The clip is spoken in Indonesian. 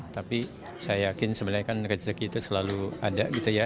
tapi saya yakin sebenarnya kan rezeki itu selalu ada gitu ya